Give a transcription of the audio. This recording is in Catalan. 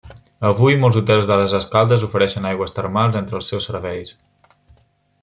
Avui molts hotels de les Escaldes ofereixen aigües termals entre els seus serveis.